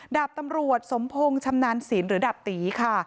ดาบตำรวจสมพงศ์ชำนาญศิลป์หรือดาบตีค่ะ